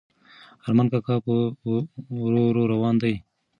ارمان کاکا په ورو ورو روان دی.